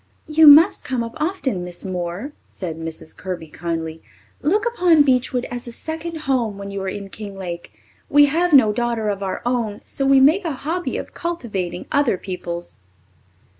"You must come up often, Miss Moore," said Mrs. Kirby kindly. "Look upon Beechwood as a second home while you are in Kinglake. We have no daughter of our own, so we make a hobby of cultivating other people's."